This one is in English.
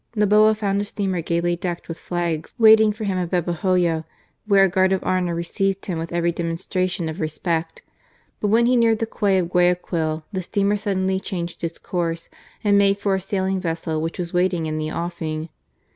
Noboa found a steamer gaily decked with flags waiting for him at Babahoyo, where a guard of honour received him with every demonstration of respect. But when he neared the quay of Guayaquil the steamer suddenly changed its course and made for a sailing vessel which was waiting in the ofiing.